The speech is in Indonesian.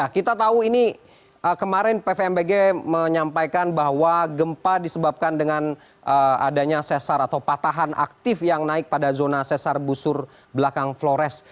kita tahu ini kemarin pvmbg menyampaikan bahwa gempa disebabkan dengan adanya sesar atau patahan aktif yang naik pada zona sesar busur belakang flores